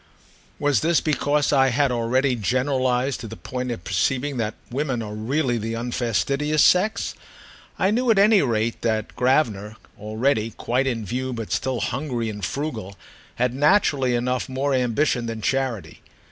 Was this because I had already generalised to the point of perceiving that women are really the unfastidious sex? I knew at any rate that Gravener, already quite in view but still hungry and frugal, had naturally enough more ambition than charity.